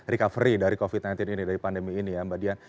recovery dari covid sembilan belas ini dari pandemi ini ya mbak dian